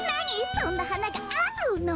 そんなはながあるの？